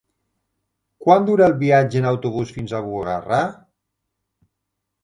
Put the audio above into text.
Quant dura el viatge en autobús fins a Bugarra?